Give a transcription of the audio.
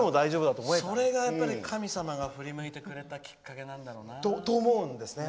それが神様が振り向いてくれたきっかけなんだろうな。と、思うんですよね。